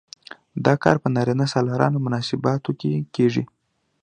دا کار په نارینه سالارو مناسباتو کې کیږي.